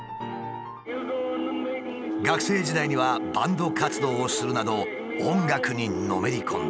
学生時代にはバンド活動をするなど音楽にのめり込んだ。